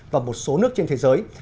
và một số nước trên thế giới